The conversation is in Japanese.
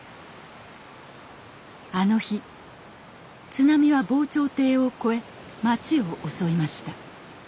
あの日津波は防潮堤を越え町を襲いました。